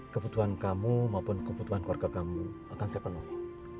kebutuhan kamu maupun kebutuhan keluarga kamu akan saya penuhi